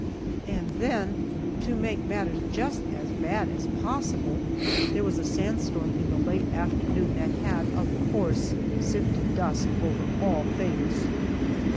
And then, to make matters just as bad as possible, there was a sand storm late in the afternoon that had, of course, sifted dust over all things.